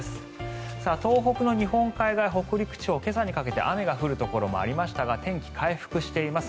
東北の日本海側や北陸地方今朝にかけて雨が降るところもありましたが天気回復しています。